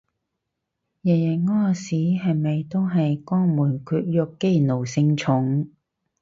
日日屙屎係咪都係肛門括約肌奴性重